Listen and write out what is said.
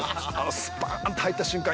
スパーンと入った瞬間